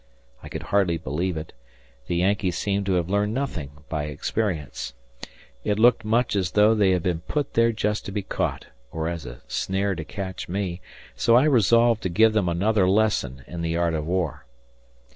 I could hardly believe it; the Yankees seemed to have learned nothing by experience. It looked much as though they had been put there just to be caught, or as a snare to catch me, so I resolved to give them another lesson in the art of war.